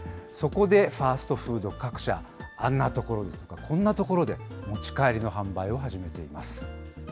そこでファストフード各社、あんなところですとか、こんなところで、持ち帰りの販売を始めています。